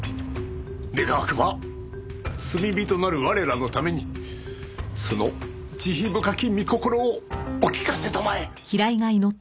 願わくば罪人なる我らのためにその慈悲深き御心をお聞かせたまえ。